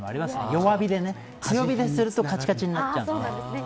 強火でするとかちかちになっちゃうんで。